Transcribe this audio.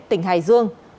tỉnh hải dương